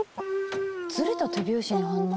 ずれた手拍子に反応？